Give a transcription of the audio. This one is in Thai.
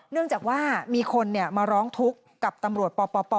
เนื่องจากว่ามีคนมาร้องทุกข์กับตำรวจปป